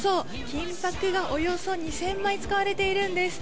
金箔がおよそ２０００枚使われているんです。